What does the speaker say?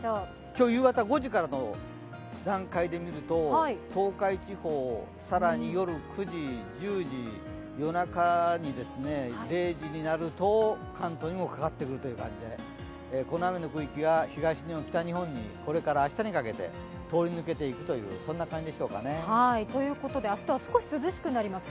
今日夕方５時からの段階で見ると東海地方、更に夜９時、１０時、夜中０時になると、関東にもかかってくるという感じで、この雨の区域が東日本、北日本にこれから明日にかけて通り抜けていくという感じでしょうかね。ということで明日は少し涼しくなります。